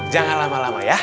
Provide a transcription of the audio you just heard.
jangan lama lama ya